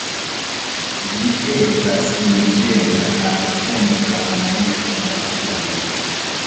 Ĝi estas indiĝena al Centra Ameriko kaj Sudameriko.